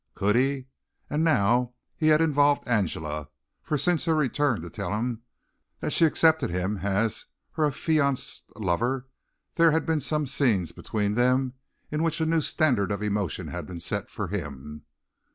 Could he? And now he had involved Angela, for since her return to tell him that she accepted him as her affianced lover, there had been some scenes between them in which a new standard of emotion had been set for him.